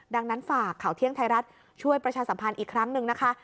ดังนั้นฝากข่าวเที่ยงไทยรัฐช่วยประชาสัมพันธ์อีกครั้งหนึ่งนะคะ